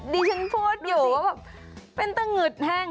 ดิฉันพูดอยู่ว่าแบบเป็นตะหงึดแห้ง